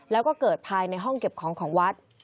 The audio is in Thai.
แล้วก็เกิดภายในห้องเก็บของของวัด